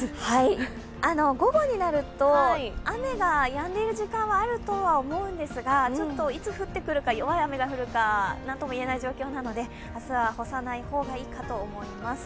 午後になると、雨がやんでいる時間はあるとは思うんですが、いつ降ってくるか、弱い雨が降るか何ともいえない状況なので明日は干さない方がいいかと思います。